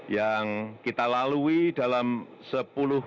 yang kita lalui dan kita lakukan dan kita lakukan dan kita lakukan dan kita lakukan